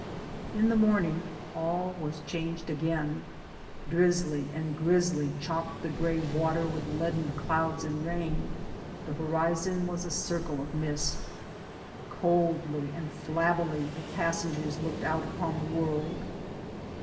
In the morning all was changed again. Drizzly and grizzly chopped the grey water with leaden clouds and rain ŌĆö the horizon was a circle of mist ŌĆö Coldly and flabbily the passengers looked out upon the world.